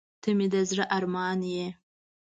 • ته مې د زړه ارمان یې.